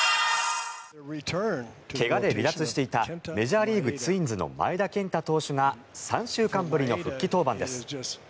怪我で離脱していたメジャーリーグ、ツインズの前田健太投手が３週間ぶりの復帰登板です。